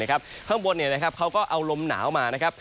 ข้างบนเขาก็เอาลมหนาวมา